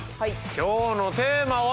今日のテーマは？